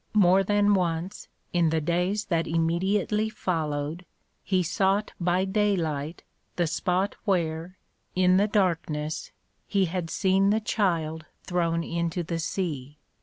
More than once, in the days that immediately followed, he sought by daylight the spot where, in the darkness, he had seen the child thrown into the sea.